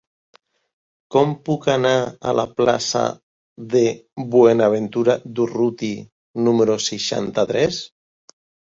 Com puc anar a la plaça de Buenaventura Durruti número seixanta-tres?